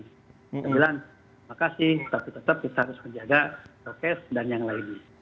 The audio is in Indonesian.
saya bilang makasih tapi tetap kita harus menjaga prokes dan yang lainnya